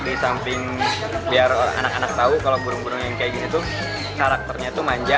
di samping biar anak anak tahu kalau burung burung yang kayak gini tuh karakternya tuh manja